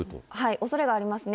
おそれがありますね。